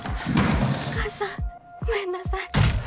お母さんごめんなさい。